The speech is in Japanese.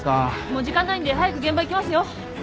もう時間ないんで早く現場行きますよ。